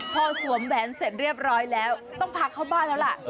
พอสวมแหวนเสร็จเรียบร้อยแล้วต้องพาเข้าบ้านแล้วล่ะ